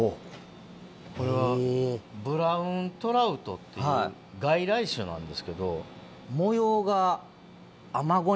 これはブラウントラウトっていう外来種なんですけど。